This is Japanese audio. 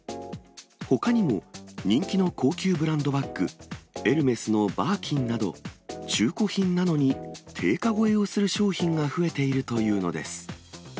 ほかにも、人気の高級ブランドバッグ、エルメスのバーキンなど、中古品なのに、定価超えをする商品が増えているというのです。